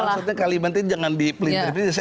maksudnya kalimantan jangan dipelintir